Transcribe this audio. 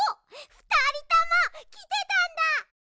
ふたりともきてたんだ。